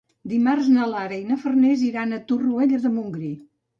Dimarts na Lara i na Farners iran a Torroella de Montgrí.